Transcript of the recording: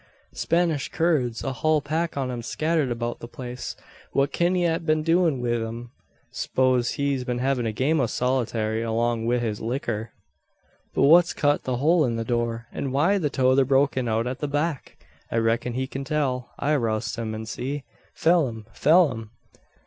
"Spanish curds! A hul pack on 'em scattered abeout the place. What kin he ha' been doin' wi' them? S'pose he's been havin' a game o' sollatury along wi' his licker." "But what's cut the hole in the door, an why's the tother broken out at the back? I reckon he kin tell. I'll roust him, an see. Pheelum! Pheelum!"